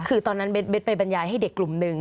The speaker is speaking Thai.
คือตอนนั้นเบ็ดไปบรรยายให้เด็กกลุ่มหนึ่ง